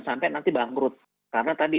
sampai nanti bangkrut karena tadi